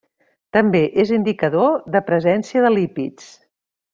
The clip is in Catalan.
També és indicador de presència de lípids.